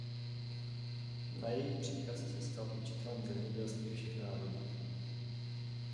Na její příkaz se stal učitelem zemědělství všech národů.